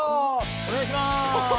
お願いします。